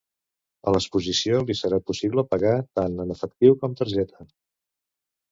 A l'exposició li serà possible pagar tant en efectiu com targeta.